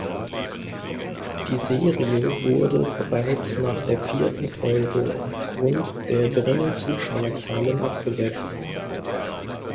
Die Serie wurde bereits nach der vierten Folge aufgrund der geringen Zuschauerzahlen abgesetzt.